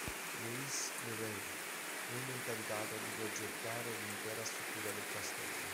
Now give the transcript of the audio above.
Louis Le Vau venne incaricato di progettare l'intera struttura del castello.